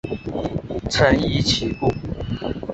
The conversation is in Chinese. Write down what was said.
臣疑其故。